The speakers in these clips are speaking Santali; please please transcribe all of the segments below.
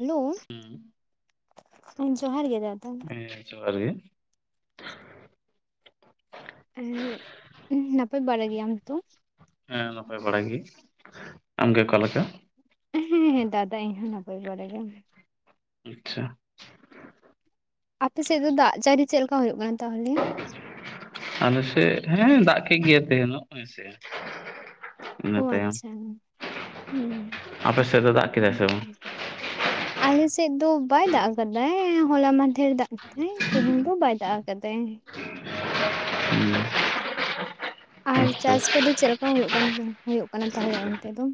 ᱦᱮᱞᱳ, ᱦᱮᱸ ᱡᱚᱦᱟᱨ ᱜᱮ ᱫᱟᱫᱟ ᱾ ᱦᱮ ᱡᱚᱦᱟᱨ ᱜᱮ ᱾ ᱟᱨ ᱱᱟᱯᱟᱭ ᱵᱟᱲᱟ ᱜᱮᱭᱟᱢ ᱛᱚ? ᱦᱮᱸ ᱱᱟᱯᱟᱭ ᱵᱟᱲᱟ ᱜᱮ, ᱟᱢᱜᱮ ᱚᱠᱟ ᱞᱮᱠᱟ? ᱦᱮᱸ ᱦᱮᱸ ᱫᱟᱫᱟ ᱤᱧᱦᱚᱸ ᱱᱟᱯᱟᱭ ᱵᱟᱲᱟ ᱜᱮ ᱾ ᱟᱪᱪᱷᱟ ᱾ ᱟᱯᱮᱥᱮᱫ ᱫᱚ ᱫᱟᱜ ᱡᱟᱹᱲᱤ ᱪᱮᱫ ᱞᱮᱠᱟ ᱦᱩᱭᱩᱜ ᱠᱟᱱᱟ ᱛᱟᱦᱚᱞᱮ? ᱟᱞᱮ ᱥᱮᱫ ᱦᱚᱸ ᱫᱟᱜ ᱠᱮᱜ ᱜᱮᱭᱟ ᱛᱟᱦᱮᱧ ᱫᱚ ᱦᱮᱸᱥᱮ ᱾ ᱤᱱᱟᱹ ᱚ ᱛᱟᱭᱚᱢ ᱟᱪᱪᱷᱟ ᱦᱩᱸ ᱟᱯᱮ ᱥᱮᱫ ᱫᱚ ᱫᱟᱜ ᱠᱮᱫᱟᱭ ᱥᱮ ᱵᱟᱝ? [unintelligible] ᱟᱞᱮᱥᱮᱫ ᱫᱚ ᱵᱟᱭ ᱫᱟᱜ ᱟᱠᱟᱫᱟᱭ, ᱦᱚᱞᱟ ᱢᱟᱫᱷᱮᱨ ᱫᱟᱜ ᱠᱮᱫᱟᱭ ᱛᱮᱦᱮᱧ ᱫᱚ ᱵᱟᱭ ᱫᱟᱜ ᱟᱠᱟᱫᱟᱭ ᱾ ᱦᱮᱸ ᱾ ᱟᱨ ᱪᱟᱥ ᱠᱚᱫᱚ ᱪᱮᱫ ᱞᱮᱠᱟ ᱦᱩᱭᱩᱜ ᱠᱟᱱ ᱦᱳᱭᱳᱜ ᱠᱟᱱᱟ ᱛᱟᱦᱚᱞᱮ ᱚᱱᱛᱮ ᱫᱚ?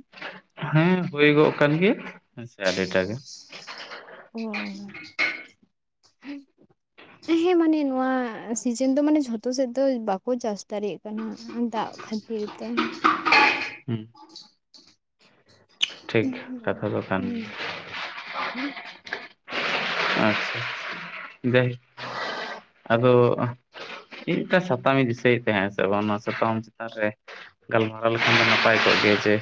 ᱦᱮᱸ ᱦᱩᱭ ᱜᱚᱜ ᱠᱟᱱ ᱜᱮ ᱦᱮᱸ ᱟᱹᱰᱤᱴᱟᱜ ᱜᱮ᱾ ᱚ [unintelligible] ᱦᱮᱸ ᱢᱟᱱᱮ ᱱᱚᱣᱟ ᱥᱤᱡᱮᱱ ᱫᱚ ᱢᱟᱱᱮ ᱡᱷᱚᱛᱚ ᱥᱮᱫ ᱫᱚ ᱵᱟᱠᱚ ᱪᱟᱥ ᱫᱟᱲᱮᱭᱟᱜ ᱠᱟᱱᱟ ᱫᱟᱜ ᱠᱷᱟᱹᱛᱤᱨ ᱛᱮ ᱾ ᱦᱩᱸ ᱠᱟᱛᱷᱟ ᱫᱚ [inaudible] ᱠᱟᱱ ᱦᱩᱸ ᱜᱮᱭᱟ ᱟᱪᱪᱷᱟ ᱫᱟᱹᱭ ᱟᱫᱚ ᱤᱧ ᱢᱤᱫᱴᱟᱝ ᱥᱟᱛᱟᱢᱤᱧ ᱫᱤᱥᱟᱹᱭᱮᱫ ᱛᱟᱦᱮᱸᱜᱼᱟ ᱥᱮ ᱵᱟᱝ ᱚᱱᱟ ᱥᱟᱛᱟᱢ ᱪᱮᱛᱟᱱ ᱨᱮ᱾ ᱜᱟᱞᱢᱟᱨᱟᱣ ᱞᱮᱠᱷᱟᱱ ᱫᱚ ᱱᱟᱯᱟᱭ ᱠᱚᱜ ᱜᱮᱭᱟ ᱡᱮ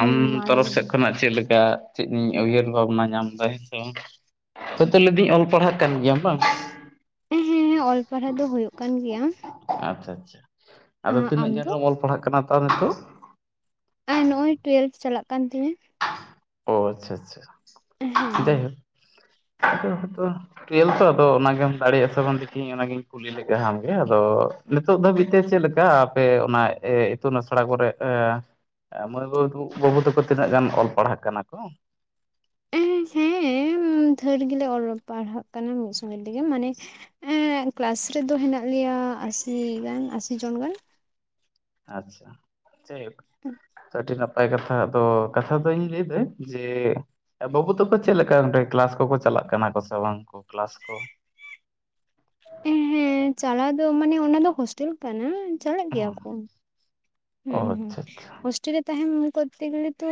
ᱟᱢ ᱢᱟ ᱞᱟᱹᱭ ᱛᱚᱨᱚᱯᱷ ᱥᱮᱫ ᱢᱮ ᱠᱷᱚᱱᱟᱜ ᱪᱮᱜ ᱞᱮᱠᱟ ᱪᱮᱫ ᱤᱧ ᱩᱭᱦᱟᱹᱨ ᱵᱷᱟᱵᱱᱟ ᱧᱟᱢ ᱫᱟᱭ ᱦᱮᱸ ᱥᱮ ᱵᱟᱝ [unintelligible] ᱞᱟᱹᱭ ᱫᱟᱹᱧ ᱚᱞ ᱯᱟᱲᱦᱟᱜ ᱠᱟᱱ ᱜᱮᱭᱟᱢ ᱵᱟᱝ? ᱩᱸ ᱦᱩᱸ ᱚᱞ ᱯᱟᱲᱦᱟᱣ ᱫᱚ ᱦᱳᱭᱳᱜ ᱠᱟᱱ ᱜᱮᱭᱟ ᱟᱪᱪᱷᱟ ᱟᱪᱪᱷᱟ ᱟᱫᱚ ᱟᱢ ᱛᱤᱱᱟᱹᱜ ᱜᱟᱱ ᱫᱚ ᱨᱮᱢ ᱚᱞ ᱯᱟᱲᱦᱟᱜ ᱠᱟᱱᱟ ᱛᱚ ᱱᱤᱛᱚᱜ? ᱟᱨ ᱱᱚᱜ-ᱚᱭ ᱴᱩᱭᱮᱞᱵᱷ ᱪᱟᱞᱟᱜ ᱠᱟᱱ ᱛᱤᱧᱟᱹ ᱚ ᱟᱪᱪᱷᱟ ᱟᱪᱪᱷᱟ ᱡᱟᱭ ᱦᱳᱠ ᱦᱳᱭᱛᱚ ᱴᱩᱭᱮᱞᱵᱷ ᱛᱚ ᱟᱫᱚ ᱚᱱᱟᱜᱮᱢ ᱫᱟᱲᱮᱭᱟᱜᱼᱟ ᱥᱮ ᱵᱟᱝ ᱫᱮᱠᱷᱤᱧ ᱚᱱᱟᱜᱮᱧ ᱠᱩᱞᱤ ᱞᱮᱜᱟ ᱦᱟᱢ ᱜᱮ ᱟᱫᱚ ᱱᱤᱛᱚᱜ ᱫᱷᱟᱹᱵᱤᱡ ᱛᱮ ᱪᱮᱫ ᱞᱮᱠᱟ ᱟᱯᱮ ᱚᱱᱟ ᱮ ᱤᱛᱩᱱ ᱟᱥᱲᱟ ᱠᱚᱨᱮ ᱮᱸ ᱢᱟᱹᱭ ᱵᱟᱹᱵᱩ-ᱵᱟᱹᱵᱩ ᱛᱟᱠᱚ ᱛᱤᱱᱟᱹᱜ ᱜᱟᱱ ᱚᱞ ᱯᱟᱲᱦᱟᱜ ᱠᱟᱱᱟ ᱠᱚ? ᱮᱸ ᱦᱮᱸ ᱫᱷᱟᱹᱨ ᱜᱮᱞᱮ ᱚᱞᱚᱜ ᱯᱟᱲᱦᱟᱜ ᱠᱟᱱᱟ ᱢᱤᱫ ᱥᱚᱸᱜᱮ ᱛᱮᱜᱮ ᱢᱟᱱᱮ ᱮᱸᱜ ᱠᱮᱞᱟᱥ ᱨᱮᱫᱚ ᱦᱮᱱᱟᱜ ᱞᱮᱭᱟ ᱟᱥᱤ ᱜᱟᱱ ᱟᱥᱤ ᱡᱚᱱ ᱜᱟᱱ ᱟᱪᱪᱷᱟ ᱡᱟᱭ ᱦᱳᱠ‌ [unintelligible] ᱟᱹᱰᱤ ᱱᱟᱯᱟᱭ ᱠᱟᱛᱷᱟ ᱟᱫᱚ ᱠᱟᱛᱷᱟ ᱫᱚᱧ ᱞᱟᱹᱭ ᱫᱟᱹᱧ ᱡᱮ ᱵᱟᱹᱵᱩ ᱛᱟᱠᱚ ᱪᱮᱫ ᱞᱮᱠᱟ ᱚᱸᱰᱮ ᱠᱮᱞᱟᱥ ᱠᱚᱠᱚ ᱪᱟᱞᱟᱜ ᱠᱟᱱᱟ ᱠᱚ ᱥᱮ ᱵᱟᱝ? ᱠᱮᱞᱟᱥ ᱠᱚ ᱮᱦᱮᱸ ᱪᱟᱞᱟᱣ ᱫᱚ ᱢᱟᱱᱮ ᱚᱱᱟ ᱫᱚ ᱦᱳᱥᱴᱮᱞ ᱠᱟᱱᱟ᱾ ᱪᱟᱞᱟᱜ ᱜᱮᱭᱟ ᱠᱚ ᱚ ᱦᱮᱸ ᱦᱮᱸ ᱟᱪᱪᱷᱟ ᱟᱪᱪᱷᱟ ᱦᱳᱥᱴᱮᱞ ᱨᱮ ᱛᱟᱦᱮᱱ ᱠᱚᱨᱛᱮ ᱜᱮᱞᱮ ᱛᱚ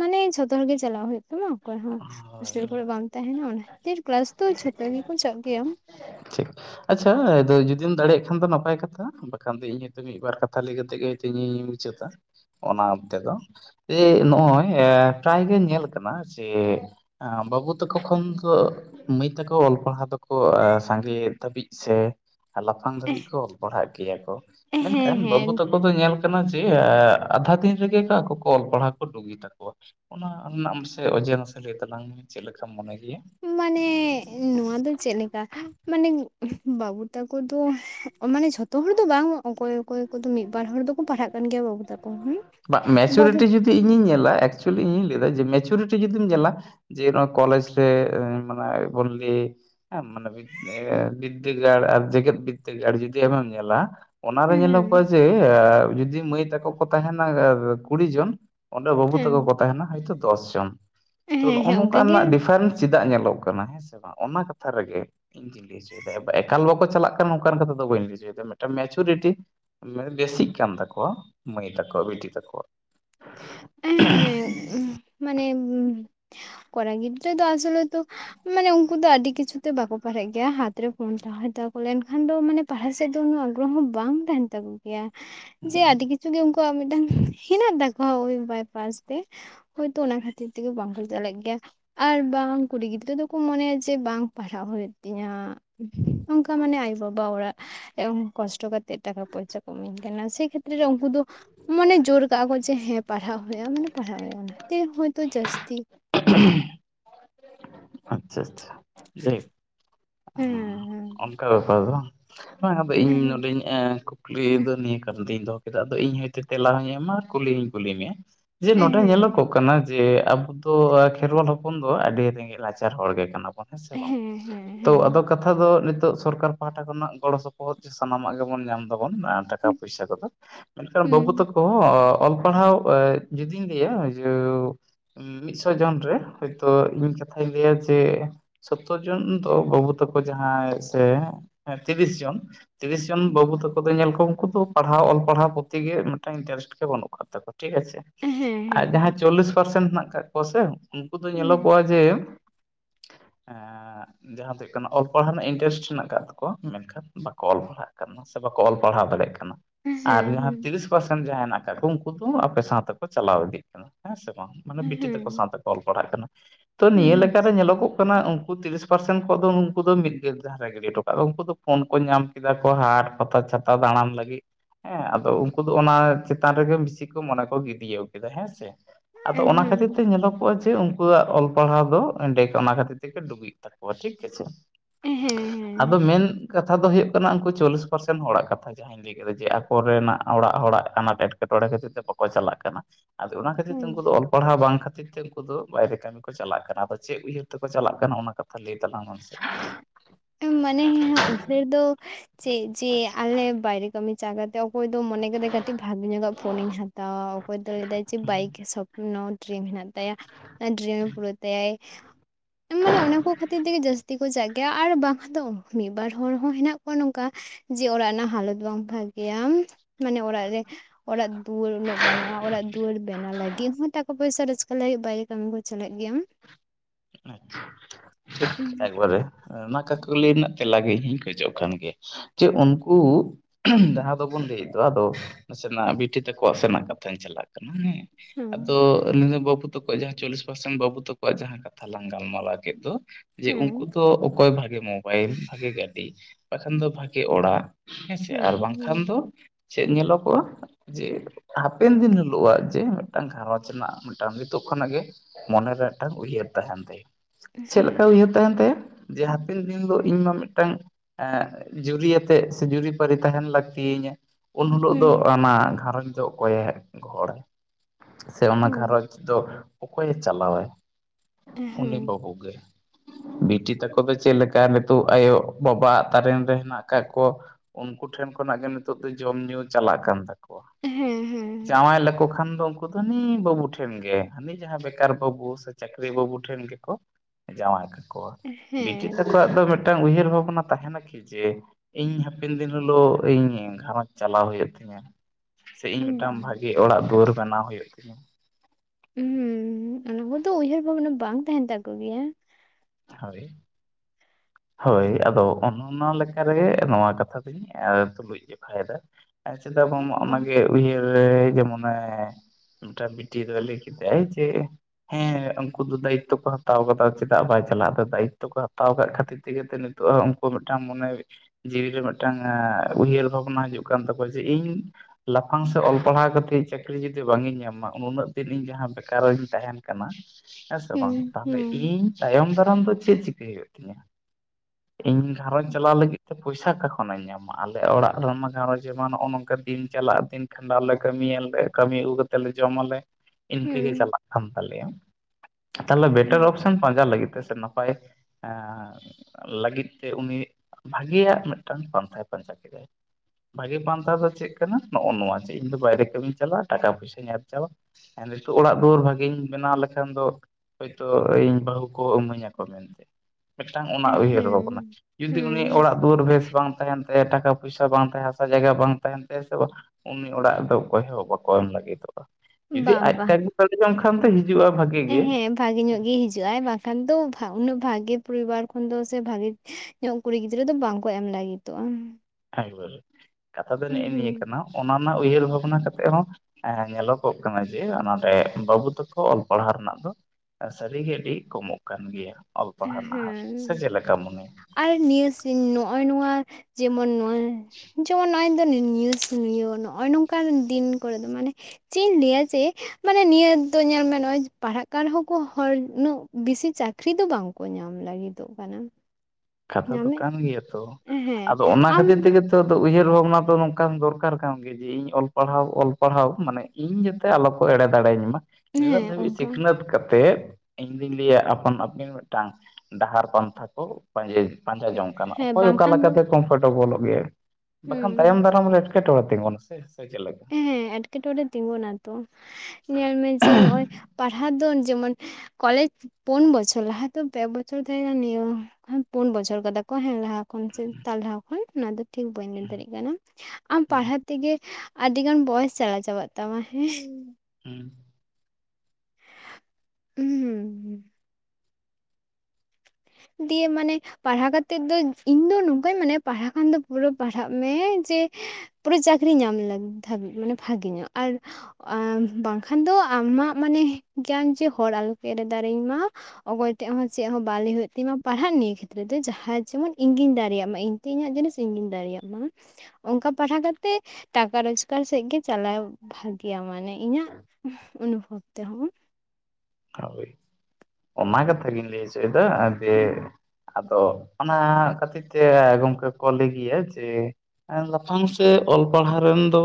ᱢᱟᱱᱮ ᱡᱷᱚᱛᱚ ᱦᱚᱲ ᱜᱮ ᱪᱟᱞᱟᱜ ᱦᱩᱭᱩᱜ ᱛᱟᱢᱟ ᱚᱠᱚᱭ ᱦᱚᱸ ᱦᱳᱭ ᱦᱳᱥᱴᱮᱞ ᱦᱳᱭ ᱠᱚᱨᱮ ᱵᱟᱢ ᱛᱟᱦᱮᱱᱟ ᱚᱱᱟ ᱠᱷᱟᱹᱛᱤᱨ ᱠᱞᱟᱥ ᱫᱚ ᱡᱷᱚᱛᱚ ᱜᱮᱠᱚ ᱪᱟᱜ ᱜᱮᱭᱟ ᱟᱪᱪᱷᱟ ᱟᱫᱚ ᱡᱩᱫᱤᱢ ᱫᱟᱲᱮᱭᱟᱜ ᱠᱷᱟᱱ ᱫᱚ ᱱᱟᱯᱟᱭ ᱠᱟᱛᱷᱟ ᱵᱟᱠᱷᱟᱱ ᱫᱚ ᱤᱧ ᱦᱮᱛᱜ ᱢᱤᱫ ᱵᱟᱨ ᱠᱟᱛᱷᱟ ᱞᱟᱹᱭ ᱠᱟᱛᱮᱜ ᱜᱮ ᱦᱚᱭᱛᱚ ᱤᱧ-ᱤᱧ ᱢᱩᱪᱟᱹᱫᱟ ᱚᱱᱟ ᱛᱮ ᱫᱚ ᱡᱮ ᱱᱚᱜᱼᱚᱭ ᱮ ᱯᱨᱟᱭ ᱜᱮ ᱧᱮᱞ ᱠᱟᱱᱟ ᱡᱮ ᱵᱟᱹᱵᱩ ᱛᱟᱠᱚ ᱠᱷᱚᱱ ᱫᱚ ᱢᱟᱹᱭ ᱛᱟᱠᱚ ᱚᱞ ᱯᱟᱲᱦᱟᱣ ᱫᱚᱠᱚ ᱮ ᱥᱟᱸᱜᱮ ᱫᱷᱟᱹᱵᱤᱡ ᱥᱮ ᱞᱟᱯᱷᱟᱝ ᱫᱷᱟᱹᱵᱤᱡ ᱠᱚ ᱚᱞ ᱯᱟᱲᱦᱟᱜ ᱜᱮᱭᱟ ᱠᱚ ᱦᱮᱸ ᱢᱮᱱᱠᱷᱟᱱ ᱵᱟᱹᱵᱩ ᱦᱮᱸ ᱛᱟᱠᱚ ᱠᱚᱫᱚ ᱧᱮᱞ ᱠᱟᱱᱟ ᱡᱮ ᱟ ᱟᱫᱷᱟ ᱫᱤᱱ ᱨᱮᱜᱮ ᱟᱠᱚ ᱠᱚ ᱚᱞ ᱯᱟᱲᱦᱟᱣ ᱠᱚ ᱰᱩᱜᱤ ᱛᱟᱠᱚᱣᱟ ᱚᱱᱟ ᱨᱮᱱᱟ ᱟᱢ ᱥᱮ ᱚᱡᱮ ᱢᱟᱥᱮ ᱞᱟᱹᱭ ᱛᱟᱞᱟᱝ ᱢᱮ ᱪᱮᱜ ᱞᱮᱠᱟᱢ ᱢᱚᱱᱮ ᱜᱮᱭᱟ ᱢᱟᱱᱮ ᱱᱚᱣᱟ ᱫᱚ ᱪᱮᱜ ᱞᱮᱠᱟ ᱢᱟᱱᱮ ᱵᱟᱹᱵᱩ ᱛᱟᱠᱚ ᱫᱚ ᱢᱟᱱᱮ ᱡᱷᱚ ᱛᱚ ᱦᱚᱲ ᱫᱚ ᱵᱟᱝ ᱚᱠᱚᱭ ᱚᱠᱚᱭ ᱠᱚᱫᱚ ᱢᱤᱫ ᱵᱟᱨ ᱦᱚᱲ ᱫᱚᱠᱚ ᱯᱟᱲᱦᱟᱜ ᱠᱟᱱ ᱜᱮᱭᱟ ᱵᱟᱹᱵᱩ ᱛᱟᱠᱚ ᱦᱸ ᱵᱟᱝ ᱵᱟᱠᱤ ᱢᱮᱪᱩᱨᱤᱴᱤ ᱡᱩᱫᱤ ᱤᱧᱤᱧ ᱧᱮᱞᱟ ᱮᱠᱪᱩᱭᱮᱞᱤ ᱤᱧᱤᱧ ᱞᱟᱹᱭ ᱫᱟ ᱡᱮ ᱢᱮᱪᱩᱨᱤᱴᱤ ᱡᱩᱫᱤᱢ ᱧᱮᱞᱟ ᱡᱮ ᱱᱚᱣᱟ ᱠᱚᱞᱮᱡᱽ ᱨᱮ ᱢᱟᱱᱮ [unintelligible] ᱦᱮᱸ ᱢᱟᱱᱮ ᱵᱤᱫᱽᱫᱟᱹᱜᱟᱲ ᱟᱨ ᱡᱮᱜᱮᱛ ᱵᱤᱫᱽᱫᱟᱹᱜᱟᱲ ᱡᱩᱫᱤ ᱟᱢᱮᱢ ᱧᱮᱞᱟ ᱚᱱᱟᱨᱮ ᱦᱮᱸ ᱧᱮᱞᱚᱜ-ᱟ ᱡᱮ ᱡᱩᱫᱤ ᱢᱟᱹᱭ ᱛᱟᱠᱚ ᱠᱚ ᱛᱟᱦᱮᱱᱟ ᱠᱩᱲᱤ ᱡᱚᱱ ᱚᱸᱰᱮ ᱵᱟᱹᱵᱩ ᱦᱮᱸ ᱛᱟᱠᱚ ᱠᱚ ᱛᱟᱦᱮᱱᱟ ᱦᱳᱭᱛᱚ ᱫᱚᱥ ᱡᱚᱱ ᱦᱮᱸ ᱛᱚ ᱦᱮᱸ ᱱᱚᱜᱼᱚ ᱦᱮᱸ ᱚᱱᱠᱟᱜᱮ ᱱᱚᱝᱠᱟᱱᱟᱜ ᱰᱤᱯᱷᱟᱨᱮᱱᱥ ᱪᱮᱫᱟᱜ ᱧᱮᱞᱚᱜ ᱠᱟᱱᱟ ᱦᱮᱸ ᱥᱮ ᱵᱟᱝ ᱚᱱᱟ ᱠᱟᱛᱷᱟ ᱨᱮᱜᱮ [unintelligible] ᱮᱠᱟᱞ ᱵᱟᱠᱚ ᱪᱟᱞᱟᱜ ᱠᱟᱱᱟ ᱱᱚᱝᱠᱟᱱ ᱠᱟᱛᱷᱟ ᱫᱚ ᱵᱟᱹᱧ ᱞᱟᱹᱭᱪᱚᱭᱫᱟ ᱢᱤᱫᱴᱟᱝ ᱢᱮᱪᱩᱨᱤᱴᱤ ᱡᱟᱱᱮ ᱵᱮᱥᱤᱜ ᱠᱟᱱ ᱛᱟᱠᱚᱣᱟ ᱢᱟᱹᱭ ᱛᱟᱠᱚᱣᱟᱜ ᱵᱤᱴᱤ ᱛᱟᱠᱚᱣᱟᱜ ᱮᱦᱮᱸ ᱢᱟᱱᱮ ᱠᱚᱲᱟ ᱜᱤᱫᱽᱨᱟᱹ ᱫᱚ ᱟᱥᱚᱞᱮ ᱛᱚ ᱢᱟᱱᱮ ᱩᱝ ᱩᱱᱠᱩ ᱫᱚ ᱟᱹᱰᱤ ᱠᱤᱪᱷᱩ ᱛᱮ ᱵᱟᱠᱚ ᱯᱟᱲᱦᱟᱜ ᱜᱮᱭᱟ ᱦᱟᱛ ᱨᱮ ᱯᱷᱳᱱ ᱛᱟᱦᱮᱸ ᱛᱟᱠᱚ ᱞᱮᱱᱠᱷᱟᱱ ᱫᱚ ᱢᱟᱱᱮ ᱯᱟᱲᱦᱟᱜ ᱥᱮᱫ ᱫᱚ ᱟᱜᱨᱚᱦᱚ ᱵᱟᱝ ᱛᱟᱦᱮᱱ ᱛᱟᱠᱚ ᱜᱮᱭᱟ ᱡᱮ ᱟᱹᱰᱤ ᱠᱤᱪᱷᱩ ᱜᱮ ᱩᱱᱠᱩᱣᱟᱜ ᱢᱤᱫᱴᱟᱝ ᱦᱮᱱᱟᱜ ᱛᱟ ᱠᱚ ᱳᱭ ᱵᱟᱭᱯᱟᱥ ᱛᱮ ᱦᱳᱭᱛᱚ ᱚᱱᱟ ᱠᱷᱟᱹᱛᱤᱨ ᱛᱮᱜᱮ ᱵᱟᱝ ᱦᱩᱭ ᱫᱟᱲᱮᱜ ᱜᱮᱭᱟ ᱟᱨ ᱵᱟᱝ ᱠᱩᱲᱤ ᱜᱤᱫᱽᱨᱟᱹ ᱫᱚᱠᱚ ᱢᱚᱱᱮᱭᱟ ᱡᱮ ᱵᱟᱝ ᱯᱟᱲᱦᱟᱜ ᱦᱩᱭᱩᱜ ᱛᱤᱧᱟ ᱚᱱᱠᱟ ᱢᱟᱱᱮ ᱟᱭᱳ ᱵᱟᱵᱟ ᱚᱲᱟᱜ ᱚᱝ ᱠᱚᱥᱴᱚ ᱠᱟᱛᱮᱜ ᱴᱟᱠᱟ ᱯᱚᱭᱥᱟ ᱠᱚ ᱤᱢᱟᱹᱧ ᱠᱟᱱᱟ ᱥᱮ ᱠᱷᱮᱛᱨᱮ ᱨᱮ ᱩᱱᱠᱩ ᱫᱚ ᱢᱚᱱᱮ ᱡᱳᱨ ᱠᱟᱜᱼᱟ ᱠᱚ ᱡᱮ ᱦᱮᱸ ᱯᱟᱲᱦᱟᱜ ᱦᱩᱭᱩᱜᱼᱟ ᱢᱟᱱᱮ ᱯᱟᱲᱦᱟᱜ ᱦᱩᱭᱩᱜᱼᱟ ᱚᱱᱟᱛᱮ ᱦᱳᱭᱛᱳ ᱡᱟᱹᱥᱛᱤ ᱟᱪᱪᱷᱟ ᱟᱪᱪᱷᱟ ᱡᱟᱭ ᱦᱳᱠ᱾ ᱦᱮᱸ᱾ ᱦᱮᱸ ᱚᱱᱠᱟ ᱵᱮᱯᱟᱨ ᱵᱟᱝ ᱟᱫᱚ ᱤᱧ ᱱᱚᱰᱮᱧ ᱮᱸ ᱠᱩᱠᱞᱤ ᱫᱚ ᱱᱤᱭᱟᱹ ᱠᱟᱨᱚᱱᱛᱤᱧ ᱫᱚᱦᱚ ᱠᱮᱫᱟ ᱟᱫᱚ ᱤᱧ ᱦᱚᱭᱛᱳ ᱛᱮᱞᱟ ᱦᱚᱧ ᱮᱢᱟ ᱠᱩᱞᱤ ᱦᱚᱧ ᱠᱩᱞᱤ ᱢᱮᱭᱟ᱾ ᱡᱮ ᱱᱚᱰᱮ ᱧᱮᱞᱚᱜ ᱠᱟᱱᱟ ᱡᱮ ᱟᱵᱚ ᱫᱚ ᱠᱷᱮᱨᱣᱟᱞ ᱦᱚᱯᱚᱱ ᱫᱚ ᱟᱹᱰᱤ ᱨᱮᱸᱜᱮᱡ ᱱᱟᱪᱟᱨ ᱦᱚᱲ ᱜᱮ ᱠᱟᱱᱟ ᱵᱚᱱ ᱦᱮᱸᱥᱮ ᱵᱟᱝ ᱛᱚ ᱟᱫᱚ ᱠᱟᱛᱷᱟ ᱫᱚ ᱱᱤᱛᱚᱜ ᱥᱚᱨᱠᱟᱨ ᱯᱟᱦᱟᱴᱟ ᱠᱷᱚᱱᱟᱜ ᱜᱚᱲᱚ ᱥᱚᱯᱚᱦᱚᱫ ᱥᱟᱱᱟᱢᱟᱜ ᱜᱮᱵᱚᱱ ᱧᱟᱢ ᱫᱟᱵᱚᱱ ᱮᱸᱱ ᱴᱟᱠᱟ ᱯᱚᱭᱥᱟ ᱠᱚᱫᱚ, ᱢᱮᱱ ᱠᱷᱚᱱ ᱵᱟᱵᱩ ᱛᱟ ᱠᱚ ᱚᱞ ᱯᱟᱲᱦᱟᱣ ᱡᱩᱫᱤᱧ ᱞᱟᱹᱭᱟ ᱡᱮ ᱢᱤᱜᱥᱚ ᱡᱚᱱ ᱨᱮ ᱦᱚᱳᱭᱛᱳ ᱤᱧ ᱠᱟᱛᱷᱟᱧ ᱞᱟᱹᱭᱟ ᱡᱮ ᱥᱳᱛᱛᱳᱨ ᱡᱚᱱ ᱫᱚ ᱵᱟᱹᱵᱩ ᱛᱟᱠᱚ ᱡᱟᱦᱟᱸᱭ ᱥᱮ ᱛᱤᱨᱤᱥ ᱡᱚᱱ ᱛᱤᱨᱤᱥ ᱡᱚᱱ ᱵᱟᱹᱵᱩ ᱛᱟᱠᱚ ᱫᱚ ᱧᱮᱞ ᱠᱚᱢ ᱩᱱᱠᱩ ᱫᱚ ᱯᱟᱲᱦᱟᱣ ᱚᱞ ᱯᱟᱲᱦᱟᱣ ᱯᱚᱛᱤ ᱜᱮ ᱢᱤᱫᱴᱟᱝ ᱤᱱᱴᱟᱨᱮᱥᱴ ᱜᱮ ᱵᱟᱱᱩᱜ ᱠᱟᱫ ᱛᱟᱠᱚᱣᱟ ᱴᱷᱤᱠ ᱟᱪᱪᱷᱮ? ᱟᱨ ᱡᱟᱦᱟᱸᱭ ᱪᱚᱞᱞᱤᱥ ᱯᱟᱨᱥᱮᱱ ᱦᱮᱸᱱᱟᱜ ᱠᱟᱜ ᱠᱚᱣᱟ ᱥᱮ ᱩᱱᱠᱩ ᱫᱚ ᱧᱮᱞᱚᱜᱚᱜᱼᱟ ᱡᱮ ᱮ ᱡᱟᱦᱟᱸ ᱫᱚ ᱦᱩᱭᱩᱜ ᱠᱟᱱᱟ ᱚᱞ ᱯᱟᱲᱦᱟᱣ ᱨᱮᱱᱟᱜ ᱴᱮᱥᱴ ᱦᱮᱸᱱᱟᱜ ᱠᱟᱫ ᱛᱟᱠᱚᱣᱼᱟ ᱢᱮᱱᱠᱷᱟᱱ ᱵᱟᱠᱚ ᱚᱞ ᱯᱟᱲᱦᱟᱜ ᱠᱟᱱᱟ ᱥᱮ ᱵᱟᱠᱚ ᱚᱞ ᱯᱟᱲᱦᱟᱣ ᱫᱟᱲᱮᱭᱟᱜ ᱠᱟᱱᱼᱟ, ᱟᱨ ᱡᱟᱦᱟᱸ ᱛᱤᱨᱤᱥ ᱯᱟᱨᱥᱮᱱ ᱡᱟᱦᱟᱸᱭ ᱦᱮᱱᱟᱜ ᱠᱟᱫ ᱠᱚᱣᱟ ᱩᱱᱠᱩ ᱫᱚ ᱟᱯᱮ ᱥᱟᱶᱛᱮᱠᱚ ᱪᱟᱞᱟᱣ ᱤᱫᱤᱜ ᱠᱟᱱᱟ ᱦᱮᱸ ᱥᱮ ᱵᱟᱝ? ᱢᱟᱱᱮ ᱵᱤᱴᱤ ᱛᱟᱠᱚ ᱥᱟᱶᱛᱮᱠᱚ ᱚᱞ ᱯᱟᱲᱦᱟᱜ ᱠᱟᱱᱟ, ᱛᱚ ᱱᱤᱭᱟᱹ ᱞᱮᱠᱟᱨᱮ ᱧᱮᱞᱚᱜᱚᱜ ᱠᱟᱱᱟ ᱩᱝ ᱛᱤᱨᱤᱥ ᱯᱟᱨᱥᱮᱱᱴ ᱠᱚᱫᱚ ᱩᱱᱠᱩ ᱫᱚ ᱢᱤᱫ ᱜᱮ ᱡᱟᱦᱟᱸ ᱨᱮ ᱜᱤᱰᱤ ᱦᱚᱴᱚ ᱠᱟᱜ ᱩᱱᱠᱩ ᱫᱚ ᱯᱷᱳᱱ ᱠᱚ ᱧᱟᱢ ᱠᱮᱫᱟ ᱠᱚ ᱦᱟᱴ, ᱯᱟᱛᱟ ᱪᱷᱟᱛᱟ ᱫᱟᱬᱟᱱ ᱞᱟᱹᱜᱤᱫ ᱦᱮᱸ ᱟᱫᱚ ᱩᱝᱠᱩ ᱫᱚ ᱚᱱᱟ ᱪᱮᱛᱟᱱ ᱨᱮᱜᱮ ᱵᱤᱥᱤ ᱠᱚ ᱢᱚᱱᱮ ᱠᱚ ᱜᱤᱰᱤᱭᱟᱣ ᱠᱮᱫᱟ ᱦᱮᱸᱥᱮ? ᱟᱫᱚ ᱚᱱᱟ ᱠᱷᱟᱹᱛᱤᱨ ᱛᱮ ᱧᱮᱞᱚᱜᱚᱜᱼᱟ ᱡᱮ ᱩᱝ ᱠᱩᱚᱣᱟᱜ ᱚᱞ ᱯᱟᱲᱦᱟᱣ ᱫᱚ ᱮᱸᱰᱮ ᱚᱱᱟ ᱠᱷᱟᱹᱛᱤᱨ ᱛᱮᱜᱮ ᱰᱩᱜᱤᱜ ᱛᱟᱠᱚᱣᱼᱟ ᱴᱷᱤᱠ ᱟᱪᱪᱷᱮ, ᱦᱮᱸ ᱦᱮᱸ᱾ ᱟᱫᱚ ᱢᱮᱱ ᱠᱟᱛᱷᱟ ᱫᱚ ᱦᱩᱭᱩᱜᱜ ᱠᱟᱱᱟ ᱩᱱᱠᱩ ᱪᱚᱞᱞᱤᱥ ᱯᱟᱨᱥᱮᱱ ᱦᱚᱲᱟᱜ ᱠᱟᱛᱷᱟ ᱡᱟᱦᱟᱸᱭ ᱤᱧ ᱞᱟᱹᱭ ᱠᱮᱫᱟ ᱡᱮ ᱟᱠᱚᱨ ᱨᱮᱱᱟᱜ ᱚᱲᱟᱜ ᱦᱚᱲᱟᱜ ᱠᱟᱱᱟ ᱮᱴᱠᱮᱴᱚᱬᱮ ᱠᱷᱟᱹᱛᱤᱨ ᱛᱮ ᱵᱟᱠᱚ ᱪᱟᱞᱟᱜ ᱠᱟᱱᱟ, ᱟᱫᱚ ᱚᱱᱟ ᱠᱷᱟᱹᱛᱤᱨ ᱛᱮ ᱩᱱᱠᱩ ᱫᱚ ᱚᱞ ᱯᱟᱲᱦᱟᱣ ᱵᱟᱝ ᱠᱷᱟᱹᱛᱤᱨ ᱛᱮ ᱩᱱᱠᱩ ᱫᱚ ᱵᱟᱭᱨᱮ ᱠᱟᱹᱢᱤ ᱠᱚ ᱪᱟᱞᱟᱜ ᱠᱟᱱᱟ ᱟᱫᱚ ᱪᱮᱫ ᱞᱟᱜᱤᱫ ᱛᱮᱠᱚ ᱪᱟᱞᱟᱜ ᱠᱟᱱᱟ ᱚᱱᱟ ᱠᱟᱛᱷᱟ ᱞᱟᱹᱭ ᱛᱟᱞᱟᱝ ᱢᱮ ᱢᱟᱥᱮ᱾ ᱢᱟᱱᱮ ᱩᱭᱦᱟᱹᱨ ᱫᱚ ᱪᱮᱫ ᱡᱮ ᱟᱞᱮ ᱵᱟᱭᱨᱮ ᱠᱟᱹᱢᱤ ᱪᱟ ᱠᱟᱛᱮ ᱚᱠᱚᱭ ᱫᱚ ᱢᱚᱱᱮ ᱠᱮᱫᱟᱭ ᱠᱟᱹᱴᱤᱡ ᱵᱷᱟᱜᱮ ᱧᱚᱜᱟᱜ ᱯᱷᱳᱱᱤᱧ ᱦᱟᱛᱟᱣᱼᱟ ᱚᱠᱚᱭ ᱫᱚᱭ ᱞᱟᱹᱭᱼᱟ ᱡᱮ ᱵᱟᱭᱤᱠ ᱮ ᱥᱚᱠ ᱱᱚ ᱰᱨᱤᱢ ᱦᱮᱸᱱᱟᱜ ᱛᱟᱭᱟ ᱰᱨᱤᱢ ᱮ ᱯᱩᱨᱟᱹ ᱛᱟᱭᱟᱭ ᱢᱟᱱᱮ ᱚᱱᱟ ᱠᱚ ᱠᱷᱟᱹᱛᱤᱨ ᱛᱮᱜᱮ ᱡᱟᱹᱥᱛᱤ ᱠᱚ ᱪᱟᱜ ᱜᱮᱭᱟ, ᱟᱨ ᱵᱟᱝ ᱫᱚ ᱢᱤᱫ ᱵᱟᱨ ᱦᱚᱲ ᱦᱚᱸ ᱦᱮᱱᱟᱜ ᱠᱚᱣᱟ ᱱᱚᱝᱠᱟ ᱡᱮ ᱚᱲᱟᱜ ᱨᱮᱱᱟᱜ ᱦᱟᱞᱚᱛ ᱵᱟᱝ ᱵᱷᱟᱜᱮᱭᱟ ᱢᱟᱱᱮ ᱚᱲᱟᱜ ᱨᱮ ᱚᱲᱟᱜ ᱫᱩᱣᱟᱹᱨ ᱩᱱᱟᱹᱜ ᱵᱟᱹᱱᱩᱜᱼᱟ ᱚᱲᱟᱜ ᱫᱩᱣᱟᱹᱨ ᱵᱮᱱᱟᱣ ᱞᱟᱹᱜᱤᱫ ᱦᱚᱸ ᱴᱟᱠᱟ ᱯᱚᱭᱥᱟ ᱨᱚᱡᱠᱟᱨ ᱞᱟᱹᱜᱤᱫ ᱵᱟᱭᱨᱮ ᱠᱟᱹᱢᱤ ᱠᱚ ᱪᱟᱞᱟᱜ ᱜᱮᱭᱟ᱾ ᱟᱪᱪᱷᱟ ᱦᱮᱸ ᱴᱷᱤᱠᱼᱮᱵᱟᱨᱮ᱾ ᱚᱱᱟ ᱠᱟᱠᱞᱤ ᱨᱮᱱᱟᱜ ᱛᱮᱞᱟ ᱜᱮ ᱤᱧ ᱦᱚᱸᱧ ᱠᱷᱚᱡᱚᱜ ᱠᱟᱱ ᱜᱮᱭᱟ, ᱡᱮ ᱩᱱᱠᱩ ᱡᱟᱦᱟᱸ ᱟᱫᱚ ᱵᱚᱱ ᱞᱟᱹᱭᱮᱫ ᱫᱚ ᱟᱫᱚ ᱱᱟᱥᱮᱱᱟᱜ ᱵᱤᱴᱤ ᱛᱟᱠᱚᱣᱟᱜ ᱥᱮᱱᱟᱜ ᱠᱟᱛᱷᱟᱧ ᱪᱟᱞᱟᱜ ᱠᱟᱱᱟ ᱦᱮᱸ? ᱟᱫᱚ ᱱᱚ ᱵᱟᱹᱵᱩ ᱛᱟᱠᱚᱣᱟᱜ ᱡᱟᱦᱟᱸ ᱪᱚᱞᱞᱤᱥ ᱯᱟᱨᱥᱮᱱ ᱵᱟᱹᱵᱩ ᱛᱟᱠᱚᱣᱟᱜ ᱡᱟᱦᱟᱸ ᱠᱟᱛᱷᱟ ᱞᱟᱝ ᱜᱟᱞᱢᱟᱨᱟᱣ ᱠᱮᱫ ᱫᱚ ᱡᱮ ᱩᱝᱠᱩ ᱦᱮᱸ ᱫᱚ ᱚᱠᱚᱭ ᱵᱷᱟᱜᱮ ᱢᱳᱵᱟᱭᱤᱞ, ᱵᱷᱟᱜᱮ ᱜᱟᱹᱰᱤ, ᱵᱟᱠᱷᱟᱱ ᱫᱚ ᱵᱷᱟᱜᱮ ᱚᱲᱟᱜ ᱦᱮᱸ ᱦᱮᱸᱥᱮ ᱦᱮᱸ ᱦᱮᱸ ᱟᱨ ᱵᱟᱝᱠᱷᱟᱱ ᱫᱚ ᱪᱮᱫ ᱧᱮᱞᱚᱜᱚᱜᱼᱟ ᱡᱮ ᱦᱟᱯᱮᱱ ᱫᱤᱱ ᱦᱤᱞᱳᱼᱟᱜ ᱡᱮ ᱢᱤᱫᱴᱟᱝ ᱜᱷᱟᱨᱚᱡ ᱨᱮᱱᱟᱜ ᱢᱤᱫᱴᱟᱝ ᱱᱤᱛᱚᱜ ᱠᱷᱚᱱᱟᱜ ᱜᱮ ᱢᱚᱱᱮ ᱨᱮ ᱢᱤᱫᱴᱟᱝ ᱩᱭᱦᱟᱹᱨ ᱛᱟᱦᱮᱱ ᱛᱟᱭᱟ ᱪᱮᱫ ᱞᱮᱠᱟ ᱩᱭᱦᱟᱹᱨ ᱛᱟᱦᱮᱱ ᱛᱟᱭᱟ? ᱡᱟᱦᱟ ᱛᱤᱱ ᱫᱤᱱ ᱫᱚ ᱤᱧᱢᱟ ᱢᱤᱫᱴᱟᱝ ᱮᱸ ᱡᱩᱨᱤ ᱟᱛᱮᱜ ᱥᱮ ᱡᱩᱨᱤ ᱯᱟᱨᱤ ᱛᱟᱦᱮᱱ ᱞᱟᱜᱛᱤ ᱤᱧᱟ᱾ ᱩᱱ ᱦᱤᱞᱳᱜ ᱫᱚ ᱦᱮᱸ ᱦᱮᱸ ᱚᱱᱟ ᱜᱷᱟᱨᱚᱸᱡᱽ ᱫᱚ ᱚᱠᱚᱭᱮ ᱜᱚᱦᱚᱲᱟᱭ᱾ ᱥᱮ ᱚᱱᱟ ᱜᱷᱟᱨᱚᱸᱡᱽ ᱫᱚ ᱚᱠᱚᱭᱮ ᱪᱟᱞᱟᱣᱟᱭ ᱩᱱᱤ ᱦᱮᱸ ᱵᱟᱹᱵᱩ ᱜᱮ᱾ ᱵᱤᱴᱤ ᱛᱟᱠᱚ ᱫᱚ ᱪᱮᱫ ᱞᱮᱠᱟ ᱱᱤᱛᱚᱜ ᱟᱭᱳ ᱵᱟᱵᱟᱣᱟᱜ ᱛᱟᱨᱮᱱ ᱨᱮ ᱦᱮᱱᱟᱜ ᱠᱟᱜ ᱠᱚᱣᱟ? ᱩᱱᱠᱩ ᱴᱷᱮᱱ ᱠᱷᱚᱱᱟᱜ ᱜᱮ ᱱᱤᱛᱚᱜ ᱫᱚ ᱡᱚᱢ ᱧᱩ ᱪᱟᱞᱟᱜ ᱠᱟᱱ ᱛᱟᱠᱚᱣᱟ ᱦᱮᱸ ᱦᱮᱸ ᱡᱟᱶᱟᱭ ᱞᱮᱠᱚ ᱵᱟᱠᱷᱟᱱ ᱫᱚ ᱩᱱᱠᱩ ᱫᱚ ᱦᱟᱹᱱᱤ ᱵᱟᱹᱵᱩ ᱴᱷᱮᱱ ᱜᱮ ᱦᱟᱹᱱᱤ ᱡᱟᱦᱟᱸ ᱵᱮᱠᱟᱨ ᱵᱟᱹᱵᱩ ᱥᱮ ᱪᱟᱹᱠᱨᱤ ᱵᱟᱹᱵᱩ ᱴᱷᱮᱱ ᱜᱮᱠᱚ ᱡᱟᱶᱟᱭ ᱠᱟᱠᱚᱣᱟ ᱵᱤᱴᱤ ᱦᱮᱸ ᱛᱟᱠᱚᱣᱟᱜ ᱫᱚ ᱢᱤᱫᱴᱟᱝ ᱩᱭᱦᱟᱹᱨ ᱵᱷᱟᱵᱱᱟ ᱛᱟᱦᱮᱱᱟ ᱠᱤ ᱡᱮ ᱤᱧ ᱦᱟᱯᱮᱱ ᱫᱤᱱ ᱦᱤᱞᱳᱜ ᱤᱧ ᱜᱷᱟᱨᱚᱸᱧᱡᱽ ᱪᱟᱞᱟᱣ ᱦᱩᱭᱩᱜ ᱛᱤᱧᱟ᱾ ᱥᱮ ᱤᱧ ᱢᱤᱫᱴᱟᱝ ᱵᱟᱝ ᱵᱷᱟᱜᱤ ᱚᱲᱟᱜ ᱫᱩᱣᱟᱹᱨ ᱵᱮᱱᱟᱣ ᱦᱩᱭᱩᱜ ᱛᱤᱧᱟ᱾ ᱦᱩᱸ ᱚᱱᱟ ᱠᱚᱫᱚ ᱩᱭᱦᱟᱹᱨ ᱵᱷᱟᱵᱽᱱᱟ ᱵᱟᱝ ᱛᱟᱦᱮᱱ ᱛᱟᱠᱚ ᱜᱮᱭᱟ᱾ ᱦᱳᱭ ᱦᱳᱭ ᱟᱫᱚ ᱚᱱ ᱚᱱᱟ ᱞᱮᱠᱟ ᱨᱮᱜᱮ ᱱᱚᱣᱟ ᱠᱟᱛᱷᱟ ᱫᱚᱧ ᱛᱩᱞᱩᱡ ᱫᱟ ᱪᱮᱫᱟᱜ ᱵᱟᱝ ᱚ ᱚᱱᱟᱜᱮ ᱩᱭᱦᱟᱹᱨ ᱨᱮ ᱡᱮ ᱢᱚᱱᱮ ᱢᱤᱴᱟᱱ ᱵᱤᱴᱤ ᱫᱚᱭ ᱞᱟᱹᱭ ᱠᱮᱫᱟᱭ ᱡᱮ ᱦᱮᱸ ᱩᱱᱠᱩ ᱫᱚ ᱫᱟᱭᱤᱛᱛᱚ ᱠᱚ ᱦᱟᱛᱟᱣ ᱠᱟᱫᱟ ᱪᱮᱫᱟᱜ ᱵᱟᱭ ᱪᱟᱞᱟᱜ ᱫᱚ ᱫᱟᱭᱤᱛᱛᱚ ᱠᱚ ᱦᱟᱛᱟᱣ ᱟᱠᱟᱫ ᱠᱷᱟᱹᱛᱤᱨ ᱛᱮᱜᱮ ᱱᱤᱛᱚᱜ ᱩᱱᱠᱩ ᱢᱤᱫᱴᱟᱝ ᱢᱚᱱᱮ ᱡᱤᱣᱤ ᱨᱮ ᱢᱤᱫᱴᱟᱝ ᱩᱭᱦᱟᱹᱨ ᱵᱷᱟᱵᱽᱱᱟ ᱦᱤᱡᱩᱜ ᱠᱟᱱ ᱛᱟᱠᱚᱣᱟ ᱡᱮ ᱤᱧ ᱞᱟᱯᱷᱟᱝ ᱥᱮ ᱚᱞ ᱯᱟᱲᱦᱟᱣ ᱠᱟᱛᱮᱜ ᱪᱟᱹᱠᱨᱤ ᱡᱩᱫᱤ ᱵᱟᱝ ᱤᱧ ᱧᱟᱢᱟ ᱩᱱᱟᱹᱜ ᱫᱤᱱ ᱤᱧ ᱡᱟᱦᱟᱸ ᱵᱮᱠᱟᱨᱤᱧ ᱛᱟᱦᱮᱱ ᱠᱟᱱᱟ᱾ ᱦᱮᱸ ᱥᱮ ᱦᱩᱸ ᱵᱟᱝ ᱛᱟᱦᱞᱮ ᱦᱩᱸ ᱤᱧ ᱛᱟᱭᱚᱢ ᱫᱟᱨᱟᱢ ᱫᱚ ᱪᱮᱫ ᱪᱤᱠᱟᱹᱭ ᱦᱩᱭᱩᱜ ᱛᱤᱧᱟ᱾ ᱤᱧ ᱜᱷᱟᱸᱨᱚᱧᱡᱽ ᱪᱟᱞᱟᱣ ᱞᱟᱹᱜᱤᱫ ᱛᱮ ᱯᱚᱭᱥᱟ ᱚᱠᱟ ᱠᱷᱚᱱᱟᱜ ᱤᱧ ᱧᱟᱢᱟ᱾ ᱟᱞᱮ ᱚᱲᱟᱜ ᱨᱮᱱᱢᱟ ᱜᱷᱟᱸᱨᱡᱽ ᱨᱮᱢᱟ ᱱᱚᱜᱼᱚ ᱱᱚᱝᱠᱟ ᱫᱤᱱ ᱪᱟᱞᱟᱜ ᱫᱤᱱ ᱠᱷᱟᱸᱰᱟᱣ ᱞᱮ ᱠᱟᱹᱢᱤᱭᱟᱞᱮ ᱠᱟᱹᱢᱤ ᱟᱹᱜᱩ ᱠᱟᱛᱮ ᱞᱮ ᱡᱚᱢᱟᱞᱮ᱾ ᱤᱱᱠᱟᱹ ᱜᱮ ᱦᱩᱸ ᱪᱟᱞᱟᱜ ᱠᱟᱱ ᱛᱟᱞᱮᱭᱟ᱾ ᱛᱟᱦᱚᱞᱮ ᱵᱮᱴᱟᱨ ᱚᱯᱥᱮᱱ ᱯᱟᱸᱡᱟ ᱞᱟᱹᱜᱤᱫ ᱛᱮ ᱱᱟᱯᱟᱭ, ᱮ ᱞᱟᱹᱜᱤᱫ ᱛᱮ ᱩᱱᱤ ᱵᱷᱟᱜᱮᱭᱟᱜ ᱢᱤᱫᱴᱟᱝ ᱯᱟᱱᱛᱷᱟᱭ ᱯᱟᱸᱡᱟ ᱠᱮᱫᱟ᱾ ᱵᱷᱟᱜᱤ ᱯᱟᱱᱛᱷᱟ ᱫᱚ ᱪᱮᱫ ᱠᱟᱱᱟ ᱱᱚᱜᱼᱚ ᱱᱚᱣᱟ ᱡᱮ ᱤᱧ ᱫᱚ ᱵᱟᱭᱨᱮ ᱠᱟᱹᱢᱤᱧ ᱪᱟᱞᱟᱜᱼᱟ ᱴᱟᱠᱟ ᱯᱚᱭᱥᱟ ᱟᱨᱡᱟᱣᱟ ᱦᱮ ᱱᱤᱛᱚᱜ ᱚᱲᱟᱜ ᱫᱩᱣᱟᱹᱨ ᱵᱷᱟᱜᱤᱧ ᱵᱮᱱᱟᱣ ᱞᱮᱠᱷᱟᱱ ᱫᱚ ᱦᱳᱭᱛᱳ ᱤᱧ ᱵᱟᱹᱦᱩ ᱠᱚ ᱤᱢᱟᱹᱧ᱾ [unintelligible] ᱢᱤᱫᱴᱟᱝ ᱚᱱᱟ ᱦᱮᱸ ᱩᱭᱦᱟᱹᱨ ᱵᱷᱟᱵᱱᱟ ᱡᱩᱫᱤ ᱩᱱᱤ ᱦᱩᱸ ᱚᱲᱟᱜ ᱫᱩᱣᱟᱹᱨ ᱵᱮᱥ ᱵᱟᱝ ᱛᱟᱦᱮᱱ ᱴᱟᱠᱟ ᱯᱚᱭᱥᱟ ᱵᱟᱝ ᱛᱟᱦᱮᱸ ᱦᱟᱥᱟ ᱡᱟᱭᱜᱟ ᱵᱟᱝ ᱛᱟᱦᱮᱱ ᱛᱮ ᱥᱮ ᱩᱱᱤ ᱚᱲᱟᱜ ᱫᱚ ᱚᱠᱚᱭ ᱦᱚᱸ ᱵᱟᱠᱚ ᱮᱢ ᱞᱟᱹᱜᱤᱫᱚᱜ᱾ ᱡᱩᱫᱤ ᱵᱟᱝ ᱟᱡ ᱛᱮ ᱵᱟᱝ ᱟᱜᱩ ᱡᱚᱝ ᱠᱷᱟᱱ ᱫᱚ ᱦᱤᱡᱩᱜᱼᱟ ᱵᱷᱟᱜᱤ᱾ ᱜᱮ ᱦᱮᱸ ᱵᱷᱟᱜᱮ ᱧᱚᱜ ᱜᱮᱭ ᱦᱤᱡᱩᱜ ᱟᱭ ᱵᱟᱝᱠᱷᱟᱱ ᱫᱚ ᱩᱱᱟᱹᱜ ᱵᱷᱟᱜᱮ ᱯᱚᱨᱤᱵᱟᱨ ᱠᱷᱚᱱ ᱫᱚ ᱥᱮ ᱵᱷᱟᱜᱤ ᱧᱚᱜ ᱠᱩᱲᱤ ᱜᱤᱫᱽᱨᱟᱹ ᱫᱚ ᱵᱟᱝᱠᱚ ᱮᱢ ᱞᱟᱹᱜᱤᱫᱚᱜᱼᱟ᱾ ᱮᱠᱵᱟᱨᱮ, ᱠᱟᱛᱷᱟ ᱫᱚ ᱱᱮᱜᱼ ᱱᱤᱭᱟᱹ ᱦᱩᱸ ᱠᱟᱱᱟ ᱚᱱᱟ ᱨᱮᱱᱟᱜ ᱩᱭᱦᱟᱹᱨ ᱵᱷᱟᱵᱱᱟ ᱠᱟᱛᱮ ᱦᱚᱸ᱾ ᱮᱸ ᱧᱮᱞᱚᱜᱚᱜ ᱠᱟᱱᱟ ᱡᱮ, ᱚᱱᱟᱰᱮ ᱵᱟᱹᱵᱩ ᱛᱟᱠᱚ ᱚᱞ ᱯᱟᱲᱦᱟᱣ ᱨᱮᱱᱟᱜ ᱫᱚ, ᱥᱟᱹᱨᱤᱜᱮ ᱟᱹᱰᱤ ᱠᱚᱢᱚᱜ ᱠᱟᱱ ᱜᱮᱭᱟ, ᱚᱞ ᱯᱟᱲᱦᱟᱜ ᱨᱮᱱᱟᱜ ᱦᱟᱨ ᱥᱮ ᱦᱮᱸ ᱪᱮᱫᱮᱠᱟ ᱢᱚᱱᱮᱭᱟ? ᱟᱨ ᱱᱤᱭᱟ. ᱥᱤᱱ ᱱᱚᱜᱼᱚᱭ ᱱᱚᱣᱟ, ᱡᱮᱢᱚᱱ ᱱᱚᱭ ᱡᱮᱢᱚᱱ ᱱᱚᱜᱼᱚᱭ ᱫᱚ ᱱᱤᱭᱟ. ᱤᱭᱟᱹ ᱱᱚᱜᱼᱚᱭ ᱱᱚᱝᱠᱟᱱ ᱫᱤᱱ ᱠᱚᱨᱮ ᱫᱚ ᱢᱟᱱᱮ ᱪᱮᱫ ᱤᱧ ᱞᱟᱹᱭᱟ ᱡᱮ, ᱢᱟᱱᱮ ᱱᱤᱭᱟᱹ ᱫᱚ ᱧᱮᱞ ᱢᱮ ᱱᱚᱜᱚᱭ ᱯᱟᱲᱦᱟᱜ ᱠᱟᱱ ᱨᱮᱦᱚᱸ ᱠᱚ ᱦᱚᱲ ᱩᱱᱟᱹᱜ ᱵᱮᱥᱤ ᱪᱟᱹᱠᱨᱤ ᱫᱚ ᱵᱟᱝ᱾ ᱠᱚ ᱧᱟᱢ ᱞᱟᱹᱜᱤᱫᱚᱜ ᱠᱟᱱᱟ᱾ ᱠᱟᱛᱷᱟ ᱫᱚ ᱧᱟᱢᱮᱫ ᱠᱟᱱ ᱜᱮᱭᱟ ᱛᱚ, ᱦᱮᱸ ᱟᱫᱚ ᱚᱱᱟ ᱟᱢ ᱠᱷᱟᱹᱛᱤᱨ ᱛᱮᱜᱮ ᱱᱤᱛᱚᱜ ᱫᱚ ᱩᱭᱦᱟᱹᱨ ᱵᱷᱟᱵᱽᱱᱟ ᱛᱚ ᱱᱚᱝᱠᱟᱱ ᱫᱚᱨᱠᱟᱨ ᱠᱟᱱ ᱜᱮᱭᱟ᱾ ᱡᱮ ᱤᱧ ᱚᱞ ᱯᱟᱲᱦᱟᱣ ᱚᱞ ᱯᱟᱲᱦᱟᱣ ᱢᱟᱱᱮ ᱤᱧ ᱡᱟᱛᱮ ᱟᱞᱚ ᱠᱚ ᱮᱲᱮ ᱫᱟᱲᱮᱭᱟᱹᱧ ᱢᱟ ᱱᱤᱱᱟᱹᱜ ᱦᱮᱸ ᱫᱷᱟᱵᱤᱡ ᱚᱱᱠᱟ ᱥᱤᱠᱷᱱᱟᱹᱛ ᱠᱟᱛᱮᱜ ᱤᱧ ᱫᱩᱧ ᱞᱟᱹᱭᱟ ᱟᱯᱟᱱ ᱟᱹᱯᱤᱱ ᱢᱤᱫᱴᱟᱝ ᱰᱟᱦᱟᱨ ᱯᱟᱱᱛᱷᱟ ᱠᱚ ᱯᱟᱸᱡ ᱯᱟᱸᱡᱟ ᱡᱚᱝ ᱠᱟᱱᱟ, ᱦᱮᱸ ᱚᱠᱚᱭ ᱚᱠᱟ ᱵᱟᱝᱠᱷᱟᱱ ᱫᱚ ᱞᱮᱠᱟᱛᱮ ᱠᱚᱢᱯᱷᱚᱨᱴᱮᱵᱚᱞᱚᱜ ᱜᱮ ᱵᱟᱠᱷᱟᱱ ᱦᱩᱸ ᱛᱟᱭᱚᱢ ᱫᱟᱨᱟᱢ ᱨᱮ ᱮᱴᱠᱮᱴᱚᱸᱮᱲ ᱛᱤᱜᱩᱱᱟ ᱥᱮ ᱪᱮᱫ ᱞᱮᱠᱟ? ᱦᱮᱸ ᱮᱸᱴᱠᱮᱴᱚᱲᱮ ᱛᱤᱸᱜᱩᱱᱟᱛᱚ ᱧᱮᱞ ᱢᱮ ᱡᱮ ᱱᱚᱜ ᱚᱭ ᱯᱟᱲᱦᱟᱣ ᱫᱚ ᱡᱮᱢᱚᱱ ᱠᱚᱞᱮᱡ ᱯᱳᱩᱱ ᱵᱚᱪᱷᱚᱨ ᱞᱟᱦᱟ ᱛᱚ ᱯᱮ ᱵᱚᱪᱷᱚᱨ ᱛᱟᱭᱱᱟ ᱱᱤᱭᱟᱹ ᱯᱩᱱ ᱵᱚᱪᱷᱚᱨ ᱠᱟᱫᱟ ᱠᱚ ᱦᱮᱸ ᱞᱟᱦᱟ ᱠᱷᱚᱱ ᱥᱮ ᱛᱟᱨ ᱞᱟᱦᱟ ᱠᱷᱚᱱ ᱚᱱᱟ ᱫᱚ ᱴᱷᱤᱠ ᱵᱟᱹᱧ ᱢᱮᱱ ᱫᱟᱲᱮᱭᱟᱜ ᱠᱟᱱᱟ ᱟᱢ ᱦᱩᱸ ᱯᱟᱲᱦᱟᱣ ᱛᱮᱜᱮ ᱟᱹᱰᱤ ᱜᱟᱱ ᱵᱚᱭᱮᱥ ᱪᱟᱞᱟᱣ ᱪᱟᱵᱟᱜ ᱛᱟᱢᱟ ᱦᱮᱸ ᱦᱩᱸ᱾ ᱩᱸ᱾ ᱫᱤᱭᱮ ᱢᱟᱱᱮ ᱯᱟᱲᱦᱟᱣ ᱠᱟᱛᱮᱫ ᱫᱚ ᱤᱧᱫᱚ ᱱᱚᱝᱠᱟᱧ ᱢᱟᱱᱮ ᱯᱟᱲᱦᱟᱣ ᱠᱷᱟᱱ ᱫᱚ ᱯᱩᱨᱟᱹ ᱯᱟᱲᱦᱟᱜ ᱢᱮ ᱡᱮ ᱯᱩᱨᱟᱹ ᱪᱟᱹᱠᱨᱤ ᱧᱟᱢ ᱞᱮ ᱫᱷᱟᱹᱵᱤᱡ ᱢᱟᱱᱮ ᱵᱷᱟᱜᱤ ᱧᱚᱜ ᱟᱨ ᱮᱸ ᱵᱟᱝᱠᱷᱟᱱ ᱫᱚ ᱟᱢᱟᱜ ᱢᱟᱱᱮ ᱜᱮᱱᱡᱮ ᱦᱚᱲ ᱟᱞᱚ ᱠᱚ ᱮᱨᱮ ᱫᱟᱲᱮᱤᱧᱢᱟ ᱚᱠᱚᱭ ᱴᱷᱮᱡ ᱦᱚᱸ ᱪᱮᱫ ᱦᱚᱸ ᱵᱟᱞᱮ ᱦᱩᱭᱩᱜ ᱛᱤ ᱢᱟ ᱯᱟᱲᱦᱟᱜ ᱱᱤᱭᱟᱹ ᱠᱷᱮᱛᱨᱮ ᱫᱚ ᱡᱟᱦᱟᱸᱭ ᱡᱮᱢᱚᱱ ᱤᱧᱜᱤᱧ ᱫᱟᱲᱮᱭᱟᱜ ᱢᱟ ᱤᱧᱛᱮ ᱤᱧᱟᱹᱜ ᱡᱤᱱᱤᱥ ᱤᱧ ᱜᱤᱧ ᱫᱟᱲᱮᱭᱟᱜ ᱢᱟ᱾ ᱚᱝᱠᱟ ᱯᱟᱲᱦᱟᱣ ᱠᱟᱛᱮᱜ ᱴᱟᱠᱟ ᱨᱳᱡᱜᱟᱨ ᱥᱮᱫ ᱜᱮ ᱪᱟᱞᱟᱣ ᱵᱷᱟᱹᱜᱭᱟ ᱢᱟᱱᱮ ᱤᱧᱟᱹᱜ ᱚᱱᱩᱵᱷᱚᱵ ᱛᱮᱦᱚ ᱦᱳᱭ ᱚᱱᱟ ᱠᱟᱛᱷᱟ ᱜᱤᱧ ᱞᱟᱹᱭ ᱦᱚᱪᱚᱭ ᱫᱟ ᱡᱮ ᱟᱫᱚ ᱚᱱᱟ ᱠᱷᱟᱹᱛᱤᱨ ᱛᱮ ᱜᱚᱢᱠᱮ ᱠᱚ ᱞᱟᱹᱭ ᱜᱮᱭᱟ ᱡᱮ ᱟ ᱞᱟᱯᱷᱟᱝ ᱥᱮᱫ ᱚᱞ ᱯᱟᱲᱦᱟᱣ ᱨᱮᱱ ᱫᱚ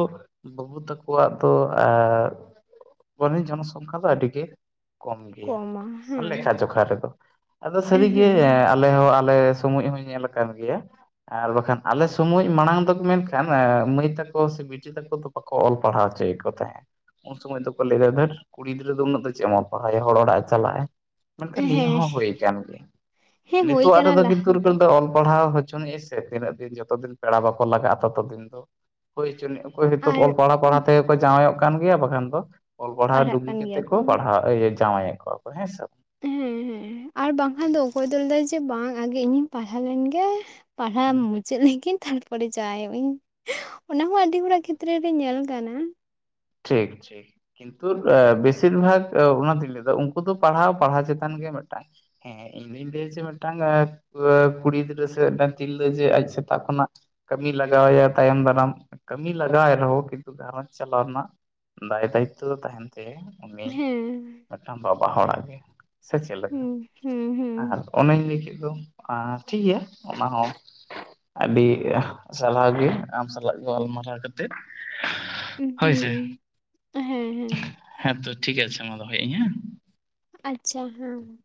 ᱵᱟᱹᱵᱩ ᱛᱟᱠᱚᱣᱟᱜ ᱫᱚ ᱟᱨ ᱯᱚᱱᱤ ᱡᱚᱱᱥᱚᱝᱠᱷᱟ ᱫᱚ ᱟᱰᱤ ᱜᱮ ᱠᱚᱢ ᱜᱮᱭᱟ ᱠᱚᱢᱟ ᱦᱮᱸ ᱞᱮᱠᱷᱟ ᱡᱚᱠᱷᱟ ᱨᱮᱫᱚ ᱟᱫᱚ ᱥᱟᱹᱨᱤᱜᱮ ᱦᱮᱸ ᱟ ᱞᱮᱦᱚᱸ ᱟᱞᱮ ᱥᱚᱢᱚᱭ ᱮᱢᱮ ᱧᱮᱞ ᱠᱟᱱ ᱜᱮᱭᱟ ᱟᱨ ᱵᱟᱠᱷᱟᱱ ᱟᱞᱮ ᱥᱚᱢᱚᱭ ᱢᱟᱬᱟᱝ ᱫᱚᱠᱚ ᱢᱮᱱᱠᱷᱟᱱ ᱮ ᱢᱟᱹᱭ ᱛᱟᱠᱚ ᱥᱮ ᱵᱤ ᱴᱤ ᱛᱟᱠᱚ ᱫᱚ ᱵᱟᱠᱚ ᱚᱞ ᱯᱟᱲᱦᱟᱣᱪᱚᱭᱮᱫ ᱠᱚ ᱛᱟᱦᱮᱸᱜᱼᱟ, ᱩᱱ ᱥᱚᱢᱚᱭ ᱫᱚᱠᱚ ᱞᱟᱹᱭ ᱮᱫᱟ ᱠᱩᱲᱤ ᱜᱤᱫᱽᱨᱟᱹ ᱫᱚ ᱩᱱᱟᱹᱜ ᱫᱚ ᱪᱮᱫ ᱮᱢ ᱚ ᱯᱟᱲᱦᱟᱭᱤᱜ ᱦᱚᱲ ᱚᱲᱟᱜ ᱮ ᱪᱟᱞᱟᱜᱼᱟᱭ ᱢᱮᱱᱠᱷᱟᱱ ᱱᱤᱭᱟᱹ ᱦᱮᱸ ᱦᱚᱸ ᱦᱳᱭ ᱠᱟᱱ ᱜᱮᱭᱟ, ᱦᱮᱸ ᱦᱳᱭ ᱱᱤᱛᱚᱜ ᱠᱟᱱᱟ ᱟᱨᱮᱫᱚ ᱞᱟᱦᱟ ᱠᱤᱱᱛᱩᱨ ᱯᱜᱟᱹᱞ ᱫᱚ ᱚᱞ ᱯᱟᱲᱦᱟᱣ ᱦᱚᱪᱚᱱᱤᱜ ᱥᱮ ᱛᱤᱱᱟᱹᱜ ᱫᱤᱱ ᱡᱚᱛᱚ ᱫᱤᱱ ᱯᱮᱲᱟ ᱵᱟᱠᱚ ᱞᱟᱜᱟᱜᱼᱟ ᱛᱚᱛᱚ ᱫᱤᱱ ᱫᱚ ᱦᱳᱭ ᱦᱚᱪᱚᱱᱤᱜ ᱚᱠᱚᱭ ᱦᱳᱭᱛᱳ ᱟᱨ ᱚᱞ ᱯᱟᱲᱦᱟᱣ ᱯᱟᱲᱦᱟᱣ ᱛᱮᱜᱮ ᱠᱚ ᱡᱟᱶᱟᱭᱚᱜ ᱠᱟᱱ ᱜᱮᱭᱟ ᱵᱟᱠᱷᱟᱱ ᱫᱚ ᱚᱞ ᱯᱟᱲᱦᱟᱣ ᱯᱟᱲᱦᱟᱜ ᱰᱩᱜᱤ ᱠᱟᱱ ᱠᱟᱛᱮ ᱜᱮᱭᱟ ᱠᱚ ᱯᱟᱲᱦᱟᱣ ᱤᱭᱟᱹ ᱡᱟᱶᱟᱭᱮᱫ ᱠᱚᱣᱟ ᱠᱚ ᱦᱮᱸᱥᱮ? ᱦᱮᱸ ᱦᱮᱸ ᱟᱨ ᱵᱟᱝᱠᱷᱟᱱ ᱫᱚ ᱚᱠᱚᱭ ᱫᱚ ᱞᱮᱭᱫᱟᱭ ᱡᱮ ᱵᱟᱝ ᱟᱜᱮ ᱤᱧᱤᱧ ᱯᱟᱲᱦᱟᱣ ᱞᱮᱱᱜᱮ ᱯᱟᱲᱦᱟᱣ ᱢᱩ ᱪᱟᱹᱫ ᱞᱮᱜᱤᱧ ᱛᱟᱨᱯᱚᱨᱮ ᱡᱟᱶᱟᱭᱚᱜ ᱤᱧ ᱚᱱᱟ ᱦᱚᱸ ᱟᱹᱰᱤ ᱦᱚᱲᱟᱜ ᱠᱷᱮᱛᱨᱮ ᱨᱮ ᱧᱮᱞ ᱠᱟᱱᱟ ᱴᱷᱤᱠ ᱴᱷᱤᱠ᱾ ᱠᱤᱱᱛᱩ ᱮ ᱵᱮᱥᱤᱨ ᱵᱷᱟᱜ ᱚᱱᱟᱛᱤᱧ ᱞᱟᱹᱭᱫᱟ ᱩᱱᱠᱩ ᱫᱚ ᱯᱟᱲᱦᱟᱣ ᱯᱟᱲᱦᱟᱣ ᱪᱮᱛᱟᱱ ᱜᱮ ᱢᱤᱫᱴᱟᱝ ᱦᱮᱸ᱾ ᱦᱮᱸ ᱤᱧ ᱫᱩᱧ ᱞᱟᱹᱭᱟ ᱡᱮ ᱢᱤᱫᱴᱟᱝ ᱠᱩᱲᱤ ᱜᱤᱫᱨᱟᱹ ᱥᱮ ᱢᱤᱫᱴᱟᱝ ᱛᱤᱨᱞᱟᱹ ᱡᱮ ᱟᱡ ᱥᱮᱛᱟᱜ ᱠᱷᱚᱱᱟᱜ ᱠᱟᱹᱢᱤ ᱞᱟᱜᱟᱣᱭᱟ ᱛᱟᱭᱚᱢ ᱫᱟᱨᱟᱢ ᱠᱟᱹᱢᱤ ᱞᱟᱜᱟᱣᱟᱭ ᱨᱮᱦᱚᱸ ᱠᱤᱱᱛᱩ ᱜᱷᱟᱨᱚᱸᱧᱡᱽ ᱪᱟᱞᱟᱣ ᱨᱮᱱᱟᱜ ᱫᱟᱭ ᱫᱟᱭᱤᱛᱛᱚ ᱛᱟᱦᱮᱸᱱ ᱛᱟᱭ ᱩᱱᱤ ᱦᱮᱸ ᱢᱤᱫᱴᱟᱝ ᱵᱟᱵᱟ ᱦᱚᱲᱟᱜ ᱜᱮ᱾ ᱥᱮ ᱪᱮᱜ ᱞᱮᱠᱟ? ᱦᱩᱸ ᱦᱩᱸ ᱦᱩᱸ ᱟᱨ ᱚᱱᱮᱧ ᱞᱟᱹᱭ ᱠᱮᱫ ᱫᱚ ᱟᱨ ᱴᱷᱤᱠ ᱜᱮᱭᱟ ᱚᱱᱟ ᱦᱚᱸ ᱟᱹᱰᱤ ᱥᱟᱞᱦᱟᱣ ᱜᱮ ᱟᱢ ᱥᱟᱞᱟᱜ ᱜᱟᱞᱢᱟᱨᱟᱣ ᱠᱟᱛᱮᱫ ᱦᱩᱸ ᱦᱳᱭ ᱥᱮ᱾ ᱦᱮᱸ ᱦᱮᱸ ᱦᱮᱸᱛᱚ ᱴᱷᱤᱠ ᱟᱪᱷᱮ ᱢᱟ ᱫᱚᱦᱚᱭ ᱤᱜᱤᱧ ᱦᱮᱸ, ᱟᱪᱪᱷᱟ ᱦᱮᱸ,